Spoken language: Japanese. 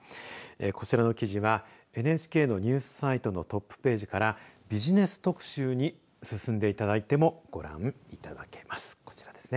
こちらの記事はＮＨＫのニュースサイトのトップページからビジネス特集に進んでいただいてもご覧いただけます。